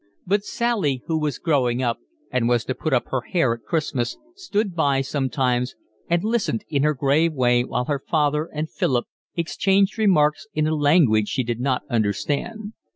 But Sally, who was growing up and was to put up her hair at Christmas, stood by sometimes and listened in her grave way while her father and Philip exchanged remarks in a language she did not understand.